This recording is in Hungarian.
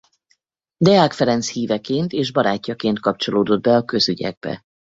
Deák Ferenc híveként és barátjaként kapcsolódott be a közügyekbe.